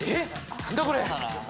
何だこれ？